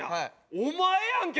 お前やんけ！